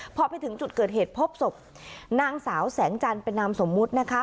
พอไปถึงจุดเกิดเหตุพบศพนางสาวแสงจันทร์เป็นนามสมมุตินะคะ